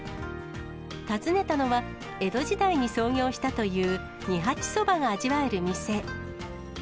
訪ねたのは、江戸時代に創業したという二八そばが味わえる店。